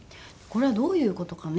「これはどういう事かね？」